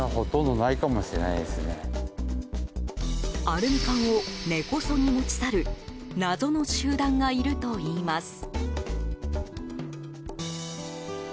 アルミ缶を根こそぎ持ち去る謎の集団がいるといいます。